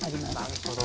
なるほど。